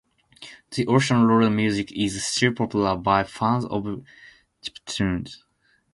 The Ocean loader music is still popular by fans of chiptunes.